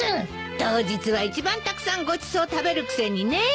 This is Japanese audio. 当日は一番たくさんごちそう食べるくせにねえ。